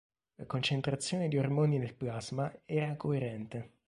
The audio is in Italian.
La concentrazione di ormoni nel plasma era coerente.